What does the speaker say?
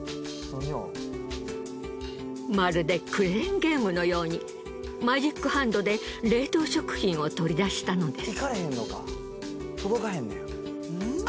まるでクレーンゲームのようにマジックハンドで冷凍食品を取り出したのです。